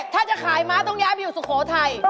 ถ้าจะขายม้าต้องย้ายไปอยู่สุโขทัย